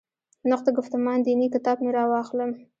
«نقد ګفتمان دیني» کتاب مې راواخلم.